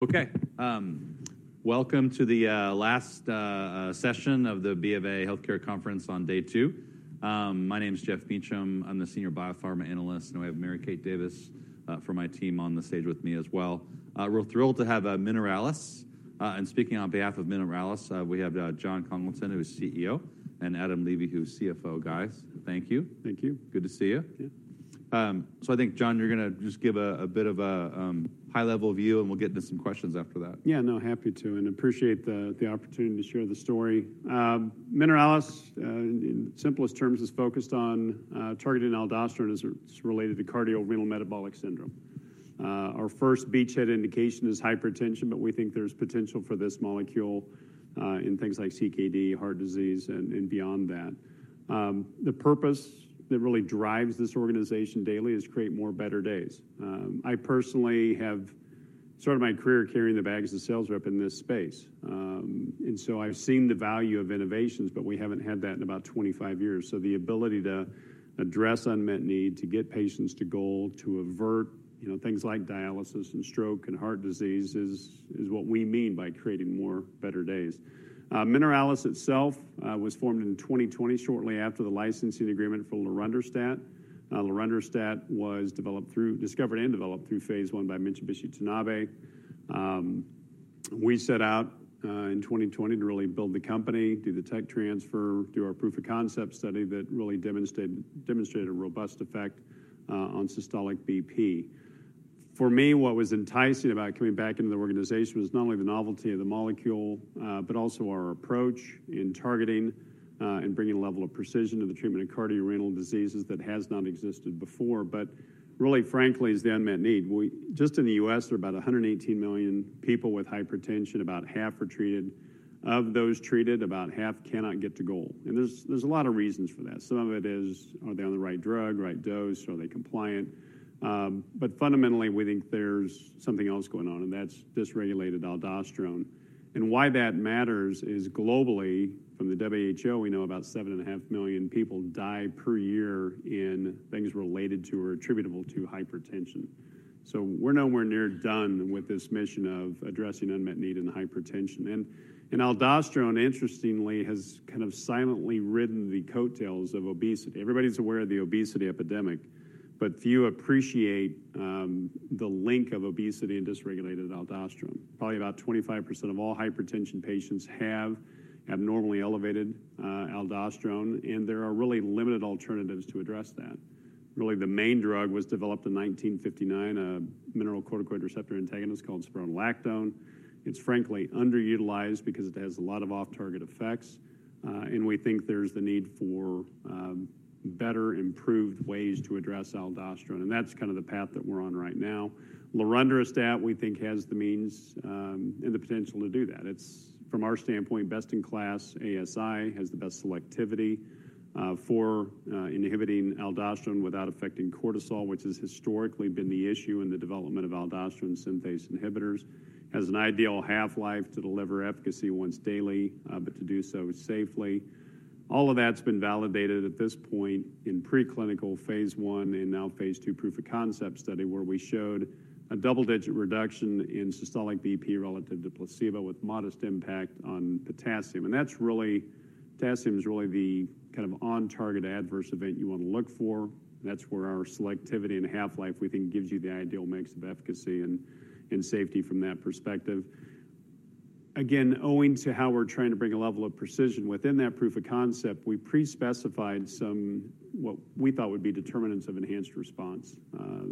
Okay, welcome to the last session of the B of A Healthcare Conference on day two. My name's Jeff Meacham. I'm the Senior Biopharma Analyst, and I have Mary Kate Davis from my team on the stage with me as well. We're thrilled to have Mineralys. And speaking on behalf of Mineralys, we have Jon Congleton, who's CEO, and Adam Levy, who's CFO. Guys, thank you. Thank you. Good to see you. Yeah. I think, Jon, you're gonna just give a bit of a high-level view, and we'll get into some questions after that. Yeah, no, happy to. I appreciate the opportunity to share the story. Mineralys, in simplest terms, is focused on targeting aldosterone as it's related to cardiorenal metabolic syndrome. Our first beachhead indication is hypertension, but we think there's potential for this molecule in things like CKD, heart disease, and beyond that. The purpose that really drives this organization daily is to create more better days. I personally have started my career carrying the bags of sales rep in this space. So I've seen the value of innovations, but we haven't had that in about 25 years. The ability to address unmet need, to get patients to goal, to avert things like dialysis and stroke and heart disease is what we mean by creating more better days. Mineralys itself was formed in 2020, shortly after the licensing agreement for lorundrostat. Lorundrostat was developed through discovered and developed through phase one by Mitsubishi Tanabe. We set out, in 2020 to really build the company, do the tech transfer, do our proof of concept study that really demonstrated a robust effect, on systolic BP. For me, what was enticing about coming back into the organization was not only the novelty of the molecule, but also our approach in targeting, and bringing a level of precision to the treatment of cardiorenal diseases that has not existed before. But really, frankly, is the unmet need. We just in the US, there are about 118 million people with hypertension. About half are treated. Of those treated, about half cannot get to goal. And there's a lot of reasons for that. Some of it is, are they on the right drug, right dose, are they compliant? But fundamentally, we think there's something else going on, and that's dysregulated aldosterone. And why that matters is globally, from the WHO, we know about 7.5 million people die per year in things related to or attributable to hypertension. So we're nowhere near done with this mission of addressing unmet need and hypertension. And aldosterone, interestingly, has kind of silently ridden the coattails of obesity. Everybody's aware of the obesity epidemic, but few appreciate the link of obesity and dysregulated aldosterone. Probably about 25% of all hypertension patients have abnormally elevated aldosterone, and there are really limited alternatives to address that. Really, the main drug was developed in 1959, a mineralocorticoid receptor antagonist called spironolactone. It's, frankly, underutilized because it has a lot of off-target effects. And we think there's the need for better, improved ways to address aldosterone. And that's kind of the path that we're on right now. Lorundrostat, we think, has the means, and the potential to do that. It's, from our standpoint, best in class. ASI has the best selectivity, for, inhibiting aldosterone without affecting cortisol, which has historically been the issue in the development of aldosterone synthase inhibitors. Has an ideal half-life to deliver efficacy once daily, but to do so safely. All of that's been validated at this point in preclinical phase one and now phase two proof of concept study, where we showed a double-digit reduction in systolic BP relative to placebo with modest impact on potassium. And that's really potassium's really the kind of on-target adverse event you wanna look for. That's where our selectivity and half-life, we think, gives you the ideal mix of efficacy and, and safety from that perspective. Again, owing to how we're trying to bring a level of precision within that proof of concept, we pre-specified some what we thought would be determinants of enhanced response.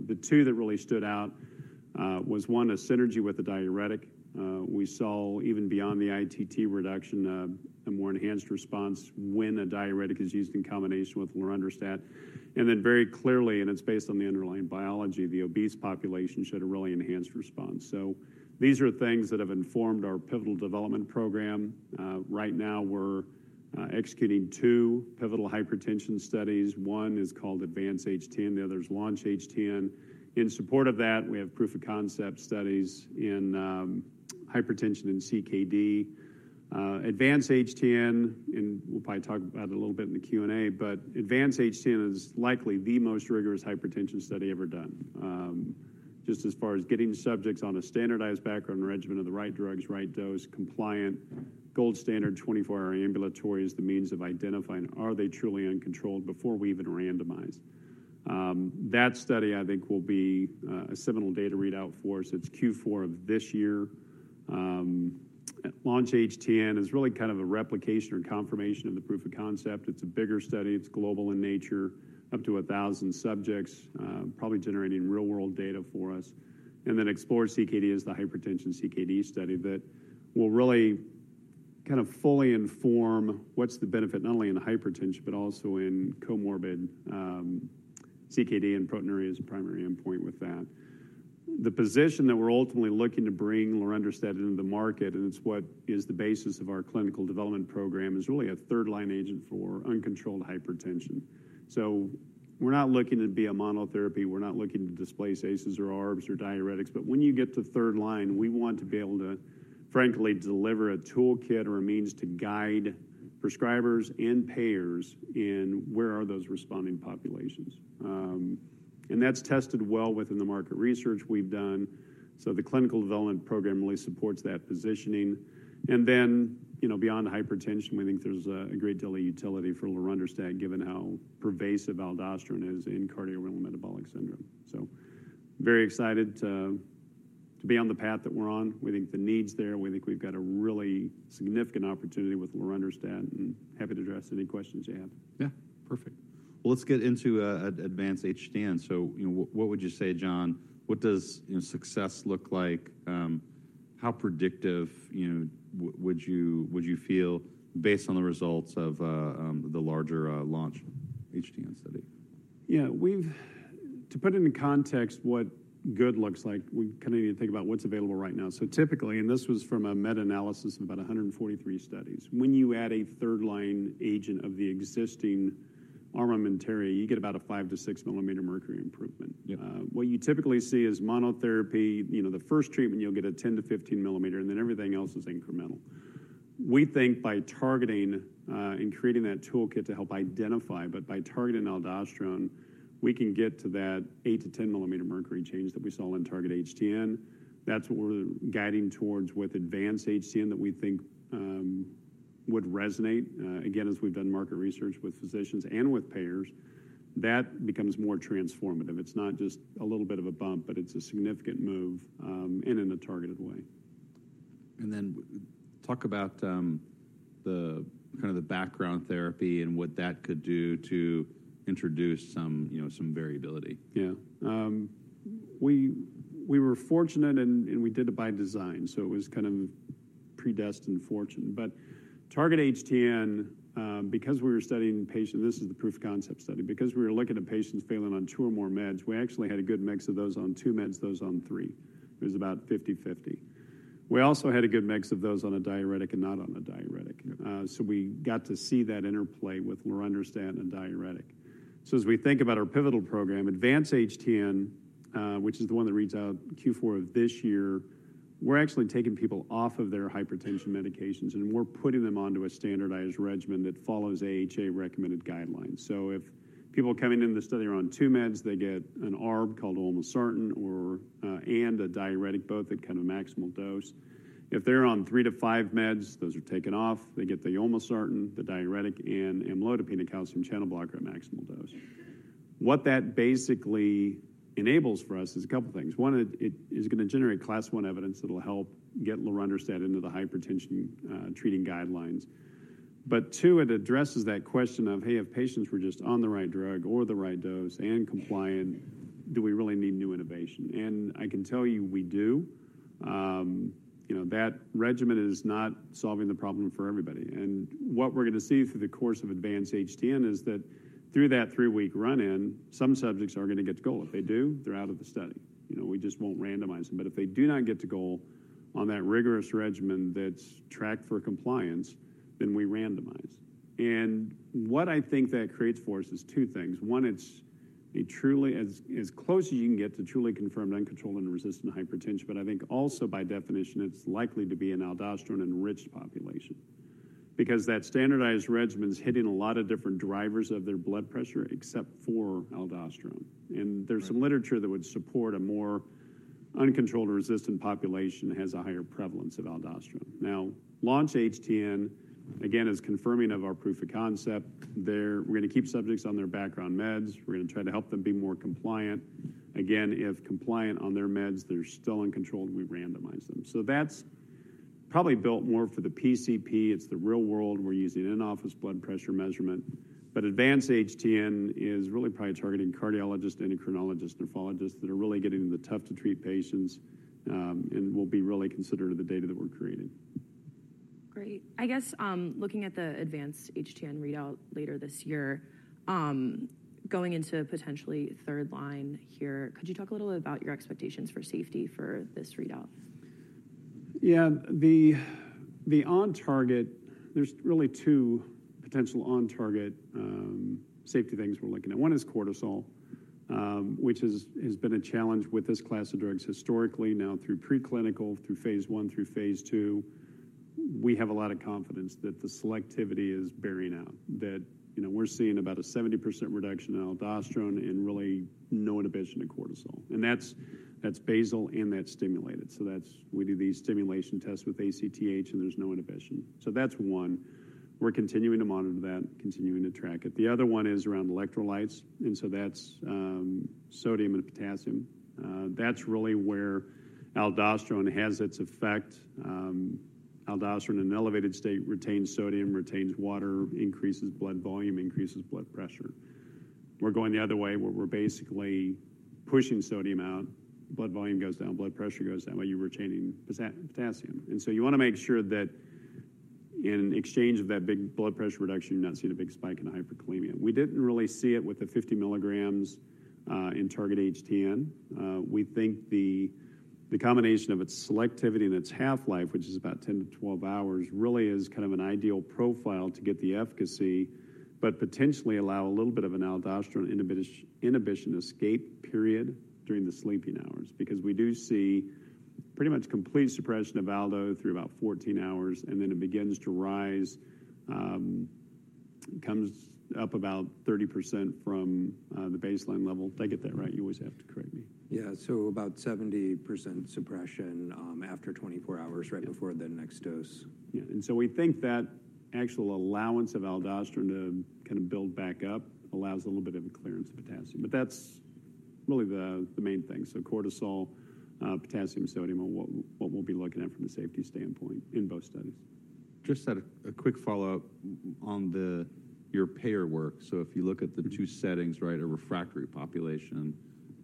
The two that really stood out, was, one, a synergy with a diuretic. We saw even beyond the ITT reduction, a more enhanced response when a diuretic is used in combination with lorundrostat. And then very clearly, and it's based on the underlying biology, the obese population showed a really enhanced response. So these are things that have informed our pivotal development program. Right now, we're, executing two pivotal hypertension studies. One is called Advance-HTN. The other's Launch-HTN. In support of that, we have proof of concept studies in, hypertension and CKD. Advance-HTN, and we'll probably talk about it a little bit in the Q&A, but Advance-HTN is likely the most rigorous hypertension study ever done, just as far as getting subjects on a standardized background regimen of the right drugs, right dose, compliant, gold standard 24-hour ambulatory as the means of identifying are they truly uncontrolled before we even randomize. That study, I think, will be a seminal data readout for us. It's Q4 of this year. Launch-HTN is really kind of a replication or confirmation of the proof of concept. It's a bigger study. It's global in nature, up to 1,000 subjects, probably generating real-world data for us. And then Explore-CKD is the hypertension CKD study that will really kind of fully inform what's the benefit not only in hypertension but also in comorbid CKD, and proteinuria is the primary endpoint with that. The position that we're ultimately looking to bring lorundrostat into the market, and it's what is the basis of our clinical development program, is really a third-line agent for uncontrolled hypertension. So we're not looking to be a monotherapy. We're not looking to displace ACEs or ARBs or diuretics. But when you get to third line, we want to be able to, frankly, deliver a toolkit or a means to guide prescribers and payers in where are those responding populations, and that's tested well within the market research we've done. So the clinical development program really supports that positioning. And then, you know, beyond hypertension, we think there's a, a great deal of utility for lorundrostat given how pervasive aldosterone is in cardiorenal metabolic syndrome. So very excited to, to be on the path that we're on. We think the need's there. We think we've got a really significant opportunity with lorundrostat, and happy to address any questions you have. Yeah, perfect. Well, let's get into Advance-HTN. So, you know, what would you say, Jon? What does, you know, success look like? How predictive, you know, would you feel based on the results of the larger Launch-HTN study? Yeah, we have to put into context what good looks like, we kinda need to think about what's available right now. So typically, and this was from a meta-analysis of about 143 studies, when you add a third-line agent of the existing armamentarium, you get about a 5-6 mm Hg improvement. Yep. What you typically see is monotherapy, you know, the first treatment. You'll get a 10-15 mmHg, and then everything else is incremental. We think by targeting, and creating that toolkit to help identify, but by targeting aldosterone, we can get to that 8-10 mmHg change that we saw in Target-HTN. That's what we're guiding towards with Advance-HTN that we think would resonate. Again, as we've done market research with physicians and with payers, that becomes more transformative. It's not just a little bit of a bump, but it's a significant move, and in a targeted way. Talk about the kind of background therapy and what that could do to introduce some, you know, some variability. Yeah, we were fortunate, and we did it by design. So it was kind of predestined fortune. But Target-HTN, because we were studying patients, this is the proof of concept study. Because we were looking at patients failing on two or more meds, we actually had a good mix of those on two meds, those on three. It was about 50/50. We also had a good mix of those on a diuretic and not on a diuretic. Yep. So we got to see that interplay with lorundrostat and a diuretic. So as we think about our pivotal program, Advance-HTN, which is the one that reads out Q4 of this year, we're actually taking people off of their hypertension medications, and we're putting them onto a standardized regimen that follows AHA-recommended guidelines. So if people coming into the study are on two meds, they get an ARB called olmesartan, and a diuretic both at kind of a maximal dose. If they're on three to five meds, those are taken off. They get the olmesartan, the diuretic, and amlodipine, a calcium channel blocker at maximal dose. What that basically enables for us is a couple of things. One, it is gonna generate class one evidence that'll help get lorundrostat into the hypertension-treating guidelines. But two, it addresses that question of, hey, if patients were just on the right drug or the right dose and compliant, do we really need new innovation? And I can tell you we do. You know, that regimen is not solving the problem for everybody. And what we're gonna see through the course of Advance-HTN is that through that three-week run-in, some subjects are gonna get to goal. If they do, they're out of the study. You know, we just won't randomize them. But if they do not get to goal on that rigorous regimen that's tracked for compliance, then we randomize. And what I think that creates for us is two things. One, it's as close as you can get to a truly confirmed uncontrolled and resistant hypertension. But I think also, by definition, it's likely to be an aldosterone-enriched population. Because that standardized regimen's hitting a lot of different drivers of their blood pressure except for aldosterone. And there's some literature that would support a more uncontrolled and resistant population has a higher prevalence of aldosterone. Now, Launch-HTN, again, is confirming of our proof of concept. We're gonna keep subjects on their background meds. We're gonna try to help them be more compliant. Again, if compliant on their meds, they're still uncontrolled, we randomize them. So that's probably built more for the PCP. It's the real world. We're using in-office blood pressure measurement. But Advance-HTN is really probably targeting cardiologists, endocrinologists, nephrologists that are really getting into the tough-to-treat patients, and will be really considered to the data that we're creating. Great. I guess, looking at the Advance-HTN readout later this year, going into potentially third line here, could you talk a little about your expectations for safety for this readout? Yeah, the on-target. There's really two potential on-target safety things we're looking at. One is cortisol, which has been a challenge with this class of drugs historically, now through preclinical, through phase 1, through phase 2. We have a lot of confidence that the selectivity is bearing out, that, you know, we're seeing about a 70% reduction in aldosterone and really no inhibition to cortisol. And that's basal and that's stimulated. So that's. We do these stimulation tests with ACTH, and there's no inhibition. So that's one. We're continuing to monitor that, continuing to track it. The other one is around electrolytes. And so that's sodium and potassium. That's really where aldosterone has its effect. Aldosterone in elevated state retains sodium, retains water, increases blood volume, increases blood pressure. We're going the other way, where we're basically pushing sodium out. Blood volume goes down. Blood pressure goes down. But you're retaining potassium. And so you wanna make sure that in exchange of that big blood pressure reduction, you're not seeing a big spike in hyperkalemia. We didn't really see it with the 50 milligrams in Target-HTN. We think the combination of its selectivity and its half-life, which is about 10-12 hours, really is kind of an ideal profile to get the efficacy but potentially allow a little bit of an aldosterone inhibition escape period during the sleeping hours. Because we do see pretty much complete suppression of aldosterone through about 14 hours, and then it begins to rise, comes up about 30% from the baseline level. Did I get that right? You always have to correct me. Yeah, so about 70% suppression, after 24 hours, right before the next dose. Yeah. And so we think that actual allowance of aldosterone to kind of build back up allows a little bit of a clearance of potassium. But that's really the main thing. So cortisol, potassium, sodium, and what we'll be looking at from a safety standpoint in both studies. Just a quick follow-up on your payer work. So if you look at the two settings, right, a refractory population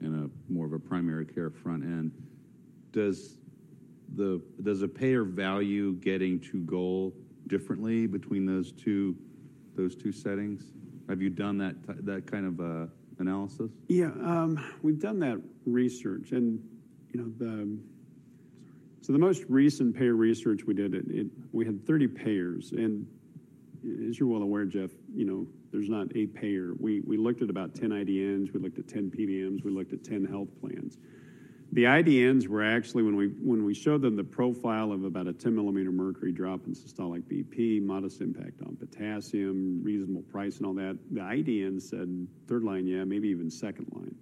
and more of a primary care front end, does a payer value getting to goal differently between those two settings? Have you done that kind of analysis? Yeah, we've done that research. And, you know, sorry. So the most recent payer research we did, we had 30 payers. And as you're well aware, Jeff, you know, there's not a payer. We looked at about 10 IDNs. We looked at 10 PBMs. We looked at 10 health plans. The IDNs were actually when we showed them the profile of about a 10 mm Hg drop in systolic BP, modest impact on potassium, reasonable price, and all that, the IDNs said, third line, yeah, maybe even second line.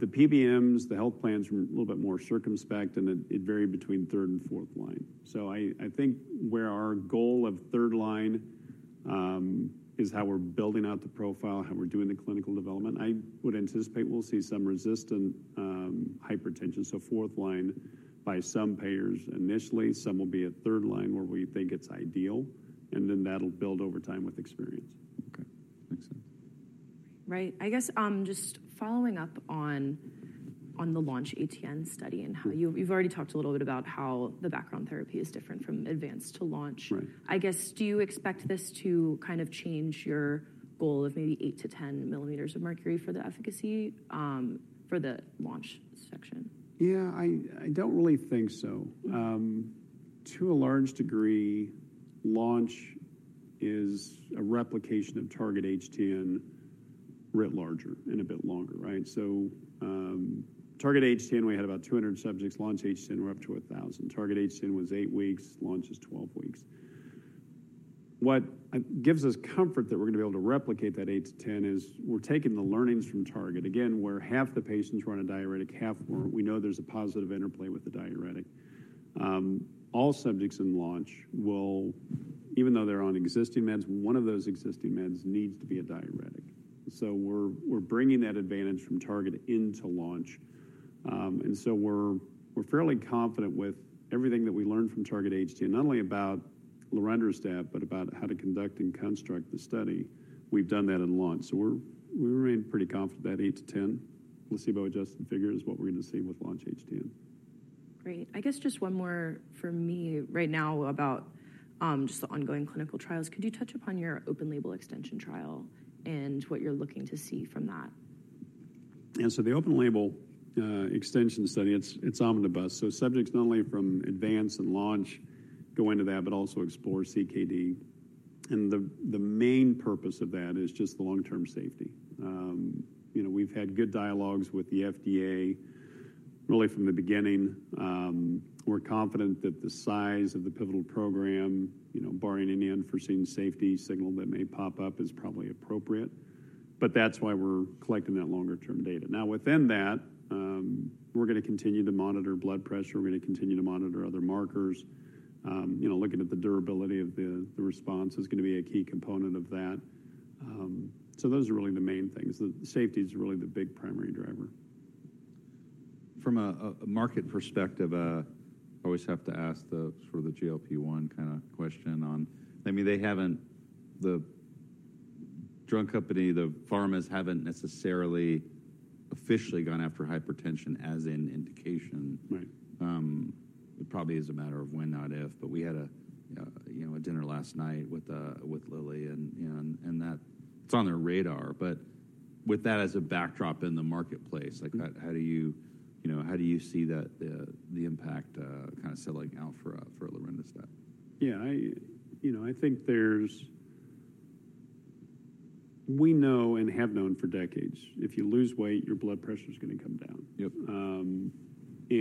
The PBMs, the health plans were a little bit more circumspect, and it varied between third and fourth line. So I think where our goal of third line is how we're building out the profile, how we're doing the clinical development, I would anticipate we'll see some resistant hypertension. Fourth line by some payers initially. Some will be at third line where we think it's ideal. Then that'll build over time with experience. Okay. Makes sense. Right. I guess, just following up on, on the Launch HTN study and how you've, you've already talked a little bit about how the background therapy is different from Advance to Launch. Right. I guess, do you expect this to kind of change your goal of maybe 8-10 millimeters of mercury for the efficacy, for the Launch-HTN? Yeah, I don't really think so. To a large degree, Launch-HTN is a replication of Target-HTN writ larger and a bit longer, right? So, Target-HTN, we had about 200 subjects. Launch-HTN, we're up to 1,000. Target-HTN was 8 weeks. Launch-HTN is 12 weeks. What gives us comfort that we're gonna be able to replicate that 8 to 10 is we're taking the learnings from Target-HTN. Again, where half the patients were on a diuretic, half weren't, we know there's a positive interplay with the diuretic. All subjects in Launch-HTN will, even though they're on existing meds, one of those existing meds needs to be a diuretic. So we're bringing that advantage from Target-HTN into Launch-HTN. And so we're fairly confident with everything that we learned from Target-HTN, not only about lorundrostat but about how to conduct and construct the study. We've done that in Launch-HTN. So we're, we remain pretty confident that 8-10 placebo-adjusted figure is what we're gonna see with Launch-HTN. Great. I guess just one more for me right now about, just the ongoing clinical trials. Could you touch upon your open-label extension trial and what you're looking to see from that? Yeah, so the open-label extension study, it's omnibus. So subjects not only from Advance and Launch go into that but also Explore CKD. And the main purpose of that is just the long-term safety. You know, we've had good dialogues with the FDA really from the beginning. We're confident that the size of the pivotal program, you know, barring any unforeseen safety signal that may pop up, is probably appropriate. But that's why we're collecting that longer-term data. Now, within that, we're gonna continue to monitor blood pressure. We're gonna continue to monitor other markers. You know, looking at the durability of the response is gonna be a key component of that. So those are really the main things. The safety's really the big primary driver. From a market perspective, I always have to ask the sort of GLP-1 kinda question on. I mean, they haven't the drug company, the pharmas haven't necessarily officially gone after hypertension as an indication. Right. It probably is a matter of when, not if. But we had, you know, a dinner last night with Lilly, and, you know, that it's on their radar. But with that as a backdrop in the marketplace, like, how do you see that, the impact kinda settling out for lorundrostat? Yeah, you know, I think we know and have known for decades, if you lose weight, your blood pressure's gonna come down. Yep.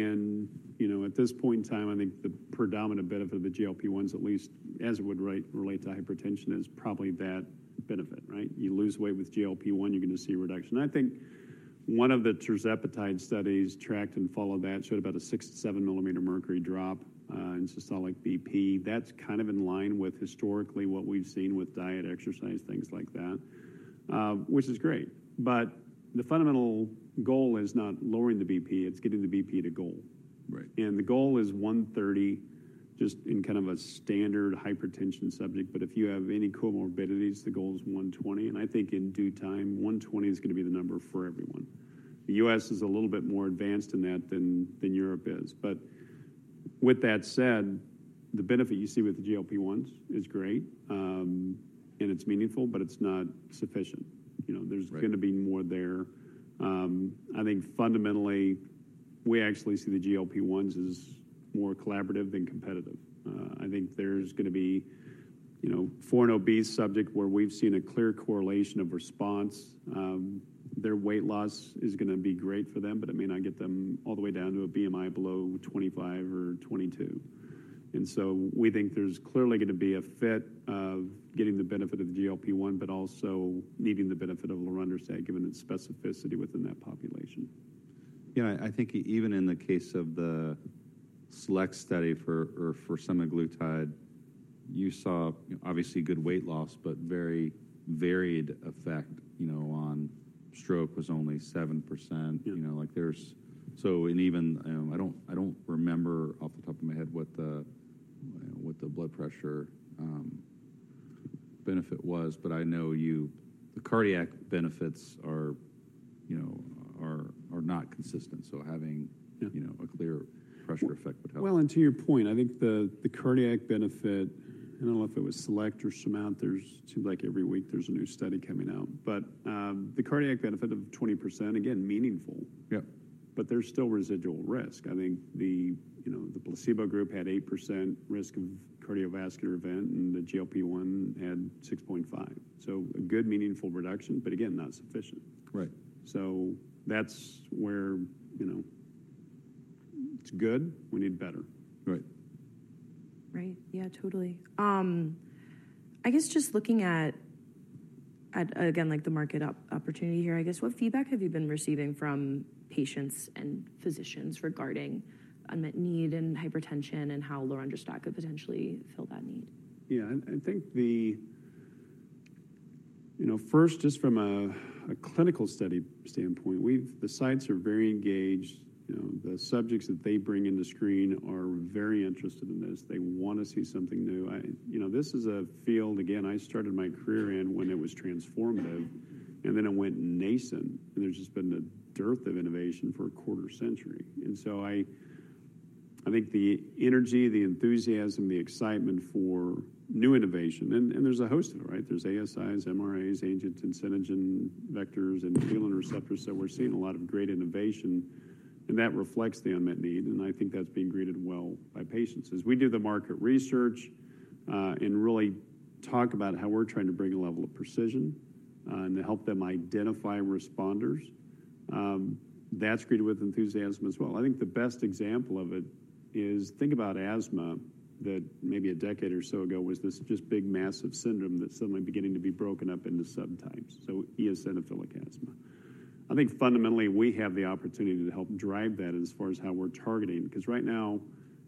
You know, at this point in time, I think the predominant benefit of the GLP-1s, at least as it would relate to hypertension, is probably that benefit, right? You lose weight with GLP-1, you're gonna see a reduction. I think one of the tirzepatide studies tracked and followed that showed about a 6-7 mm Hg drop in systolic BP. That's kind of in line with historically what we've seen with diet, exercise, things like that, which is great. But the fundamental goal is not lowering the BP. It's getting the BP to goal. Right. The goal is 130 just in kind of a standard hypertension subject. But if you have any comorbidities, the goal is 120. And I think in due time, 120 is gonna be the number for everyone. The U.S. is a little bit more advanced in that than Europe is. But with that said, the benefit you see with the GLP-1s is great, and it's meaningful, but it's not sufficient. You know, there's gonna be more there. I think fundamentally, we actually see the GLP-1s as more collaborative than competitive. I think there's gonna be, you know, for an obese subject where we've seen a clear correlation of response, their weight loss is gonna be great for them, but it may not get them all the way down to a BMI below 25 or 22. And so we think there's clearly gonna be a fit of getting the benefit of the GLP-1 but also needing the benefit of lorundrostat given its specificity within that population. Yeah, I think even in the case of the SELECT study for, or for semaglutide, you saw, you know, obviously good weight loss but very varied effect, you know, on stroke was only 7%. Yeah. You know, like, there's so and even, you know, I don't remember off the top of my head what the, you know, what the blood pressure benefit was. But I know you the cardiac benefits are, you know, are not consistent. So having. Yeah. You know, a clear pressure effect would help. Well, and to your point, I think the cardiac benefit. I don't know if it was SELECT or SURMOUNT. It seems like every week, there's a new study coming out. But the cardiac benefit of 20%, again, meaningful. Yep. But there's still residual risk. I think you know, the placebo group had 8% risk of cardiovascular event, and the GLP-1 had 6.5%. So a good, meaningful reduction, but again, not sufficient. Right. So that's where, you know, it's good. We need better. Right. Right. Yeah, totally. I guess just looking at, again, like, the market opportunity here, I guess, what feedback have you been receiving from patients and physicians regarding unmet need and hypertension and how lorundrostat could potentially fill that need? Yeah, I think, you know, first, just from a clinical study standpoint, we've the sites are very engaged. You know, the subjects that they bring in to screen are very interested in this. They wanna see something new. You know, this is a field, again, I started my career in when it was transformative. And then it went nascent. And there's just been a dearth of innovation for a quarter century. And so I think the energy, the enthusiasm, the excitement for new innovation and, and there's a host of it, right? There's ASIs, MRAs, agents, and synagen vectors, and endothelin receptors. So we're seeing a lot of great innovation. And that reflects the unmet need. I think that's being greeted well by patients as we do the market research, and really talk about how we're trying to bring a level of precision, and to help them identify responders. That's greeted with enthusiasm as well. I think the best example of it is think about asthma that maybe a decade or so ago was this just big, massive syndrome that's suddenly beginning to be broken up into subtypes, so eosinophilic asthma. I think fundamentally, we have the opportunity to help drive that as far as how we're targeting. 'Cause right now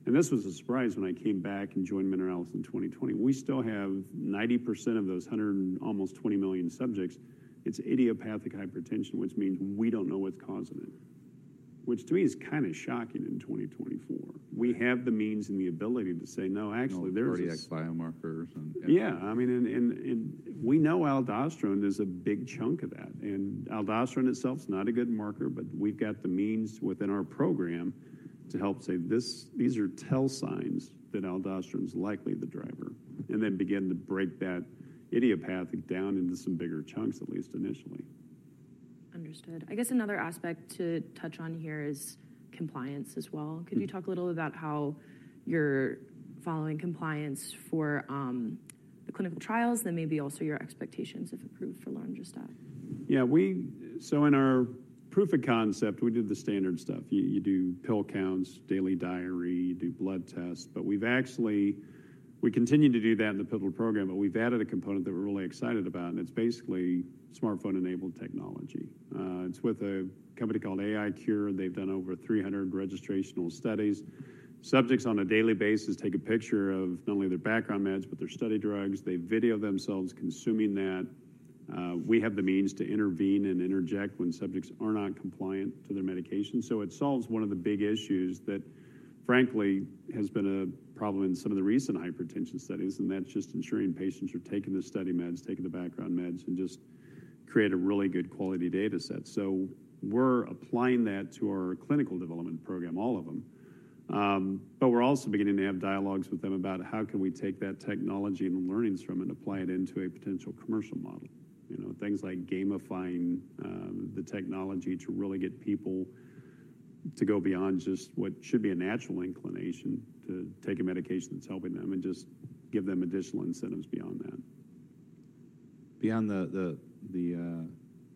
and this was a surprise when I came back and joined Mineralys in 2020. We still have 90% of those 100 almost 20 million subjects. It's idiopathic hypertension, which means we don't know what's causing it, which to me is kinda shocking in 2024. We have the means and the ability to say, "No, actually, there's. Cardiac biomarkers and. Yeah, I mean, we know aldosterone is a big chunk of that. Aldosterone itself's not a good marker, but we've got the means within our program to help say, "These are telltale signs that aldosterone's likely the driver," and then begin to break that idiopathic down into some bigger chunks, at least initially. Understood. I guess another aspect to touch on here is compliance as well. Could you talk a little about how you're following compliance for the clinical trials, then maybe also your expectations if approved for lorundrostat? Yeah, so in our proof of concept, we do the standard stuff. You do pill counts, daily diary, you do blood tests. But we've actually continue to do that in the pivotal program, but we've added a component that we're really excited about. And it's basically smartphone-enabled technology. It's with a company called AiCure. They've done over 300 registrational studies. Subjects on a daily basis take a picture of not only their background meds but their study drugs. They video themselves consuming that. We have the means to intervene and interject when subjects are not compliant to their medication. So it solves one of the big issues that, frankly, has been a problem in some of the recent hypertension studies. And that's just ensuring patients are taking the study meds, taking the background meds, and just create a really good quality data set. So we're applying that to our clinical development program, all of them. But we're also beginning to have dialogues with them about how can we take that technology and learnings from it and apply it into a potential commercial model, you know, things like gamifying the technology to really get people to go beyond just what should be a natural inclination to take a medication that's helping them and just give them additional incentives beyond that. Beyond the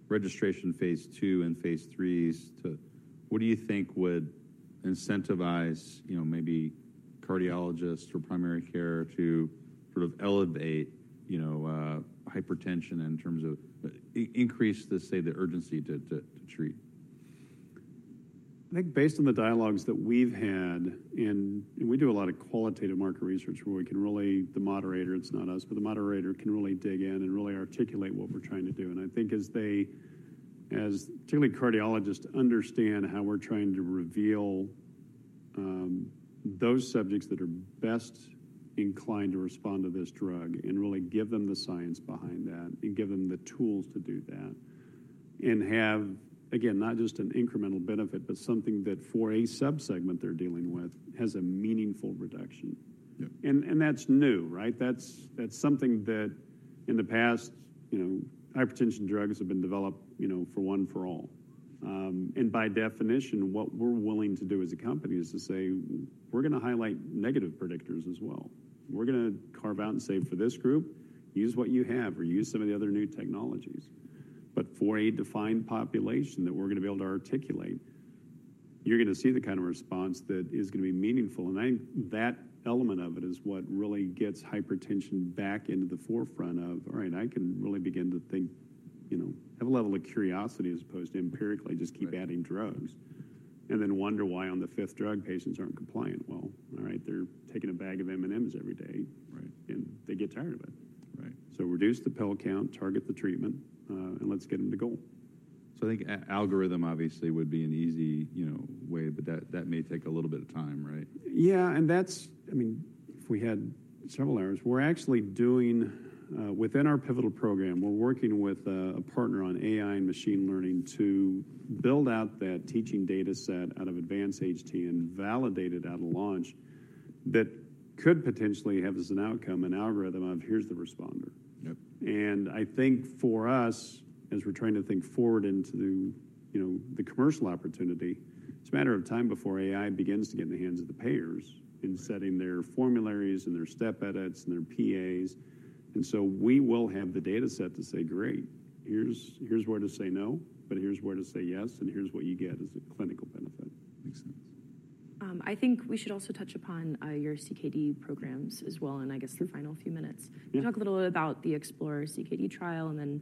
registration phase 2 and phase 3s, to what do you think would incentivize, you know, maybe cardiologists or primary care to sort of elevate, you know, hypertension in terms of increase the, say, the urgency to treat? I think based on the dialogues that we've had and we do a lot of qualitative market research where we can really the moderator, it's not us, but the moderator can really dig in and really articulate what we're trying to do. And I think as particularly cardiologists understand how we're trying to reveal those subjects that are best inclined to respond to this drug and really give them the science behind that and give them the tools to do that and have, again, not just an incremental benefit but something that for a subsegment they're dealing with has a meaningful reduction. Yep. And that's new, right? That's something that in the past, you know, hypertension drugs have been developed, you know, for one for all. And by definition, what we're willing to do as a company is to say, "We're gonna highlight negative predictors as well. We're gonna carve out and say, 'For this group, use what you have or use some of the other new technologies.'" But for a defined population that we're gonna be able to articulate, you're gonna see the kind of response that is gonna be meaningful. And I think that element of it is what really gets hypertension back into the forefront of, "All right, I can really begin to think, you know, have a level of curiosity as opposed to empirically just keep adding drugs and then wonder why on the fifth drug, patients aren't compliant." Well, all right, they're taking a bag of M&Ms every day. Right. They get tired of it. Right. So reduce the pill count, target the treatment, and let's get them to goal. So I think algorithm obviously would be an easy, you know, way, but that, that may take a little bit of time, right? Yeah, and that's, I mean, if we had several hours. We're actually doing, within our pivotal program, we're working with a partner on AI and machine learning to build out that teaching data set out of Advance-HTN and validate it at Launch-HTN that could potentially have as an outcome an algorithm of, "Here's the responder. Yep. And I think for us, as we're trying to think forward into the, you know, the commercial opportunity, it's a matter of time before AI begins to get in the hands of the payers in setting their formularies and their step edits and their PAs. And so we will have the data set to say, "Great. Here's where to say no, but here's where to say yes, and here's what you get as a clinical benefit. Makes sense. I think we should also touch upon your CKD programs as well in, I guess, the final few minutes. Yeah. Talk a little bit about the Explore-CKD trial and then,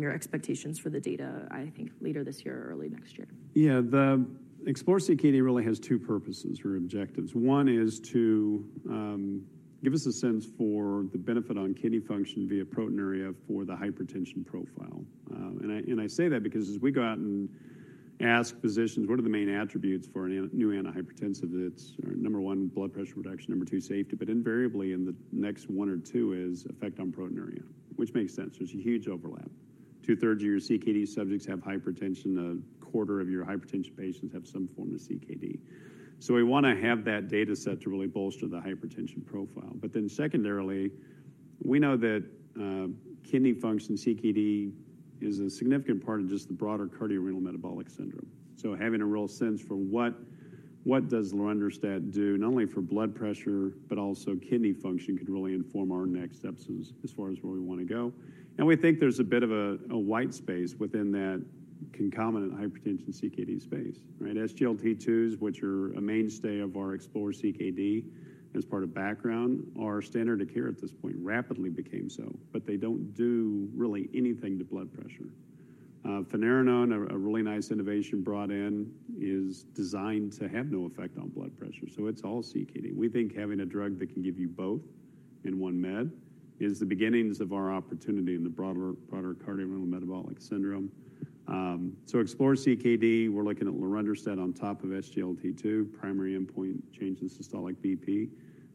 your expectations for the data, I think, later this year or early next year. Yeah, the Explore-CKD really has two purposes or objectives. One is to give us a sense for the benefit on kidney function via proteinuria for the hypertension profile. And I say that because as we go out and ask physicians, "What are the main attributes for an new antihypertensive that's or number one, blood pressure reduction, number two, safety," but invariably, in the next one or two is effect on proteinuria, which makes sense. There's a huge overlap. Two-thirds of your CKD subjects have hypertension. A quarter of your hypertension patients have some form of CKD. So we wanna have that data set to really bolster the hypertension profile. But then secondarily, we know that kidney function CKD is a significant part of just the broader cardiorenal metabolic syndrome. So having a real sense for what does lorundrostat do not only for blood pressure but also kidney function could really inform our next steps as far as where we wanna go. And we think there's a bit of a white space within that concomitant hypertension CKD space, right? SGLT2s, which are a mainstay of our Explore-CKD as part of background, are standard of care at this point. Rapidly became so. But they don't do really anything to blood pressure. Finerenone, a really nice innovation brought in, is designed to have no effect on blood pressure. So it's all CKD. We think having a drug that can give you both in one med is the beginnings of our opportunity in the broader cardiorenal metabolic syndrome. So Explore-CKD, we're looking at lorundrostat on top of SGLT2, primary endpoint change in systolic BP.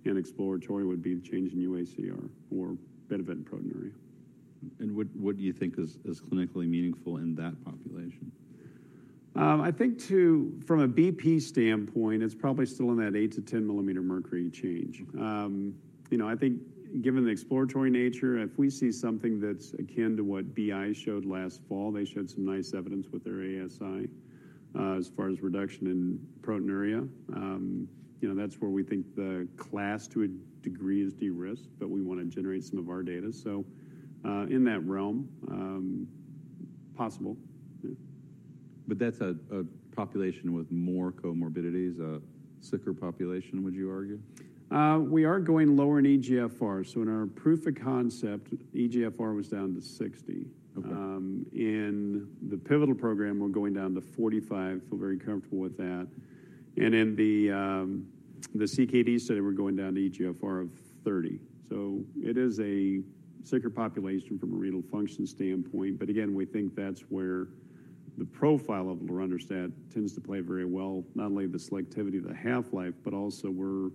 Explore would be the change in UACR or baseline proteinuria. What do you think is clinically meaningful in that population? I think, too, from a BP standpoint, it's probably still in that 8-10 millimeter mercury change. You know, I think given the exploratory nature, if we see something that's akin to what BI showed last fall, they showed some nice evidence with their ASI, as far as reduction in proteinuria. You know, that's where we think the class to a degree is de-risked, but we wanna generate some of our data. So, in that realm, possible. Yeah. But that's a population with more comorbidities, a sicker population, would you argue? We are going lower in eGFR. In our proof of concept, eGFR was down to 60. Okay. In the pivotal program, we're going down to 45. Feel very comfortable with that. And in the CKD study, we're going down to eGFR of 30. So it is a sicker population from a renal function standpoint. But again, we think that's where the profile of lorundrostat tends to play very well, not only the selectivity of the half-life, but also we're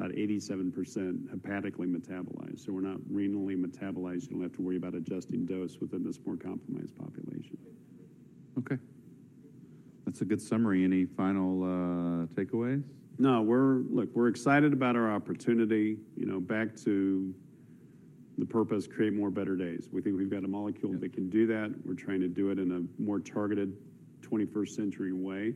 about 87% hepatically metabolized. So we're not renally metabolized. You don't have to worry about adjusting dose within this more compromised population. Okay. That's a good summary. Any final takeaways? No, we're look, we're excited about our opportunity, you know, back to the purpose, create more, better days. We think we've got a molecule that can do that. We're trying to do it in a more targeted 21st-century way.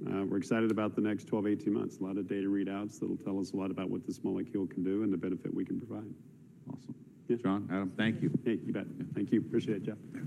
We're excited about the next 12-18 months, a lot of data readouts that'll tell us a lot about what this molecule can do and the benefit we can provide. Awesome. Yeah. John, Adam, thank you. Hey, you bet. Thank you. Appreciate it, Jeff.